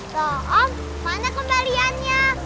loh om mana kembaliannya